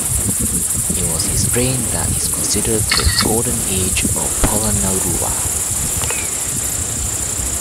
It was his reign that is considered the Golden Age of Polonnaruwa.